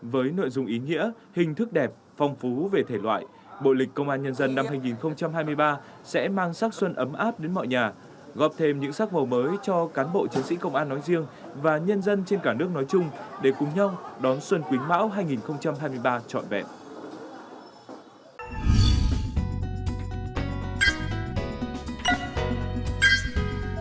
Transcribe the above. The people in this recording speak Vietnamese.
với nội dung ý nghĩa hình thức đẹp phong phú về thể loại bộ lịch công an nhân dân năm hai nghìn hai mươi ba sẽ mang sắc xuân ấm áp đến mọi nhà gọp thêm những sắc màu mới cho cán bộ chiến sĩ công an nói riêng và nhân dân trên cả nước nói chung để cùng nhau đón xuân quýnh mão hai nghìn hai mươi ba trọn vẹn